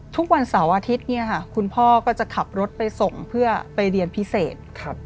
ทุกวันเสาร์อาทิตย์เนี่ยค่ะคุณพ่อก็จะขับรถไปส่งเพื่อไปเรียนพิเศษ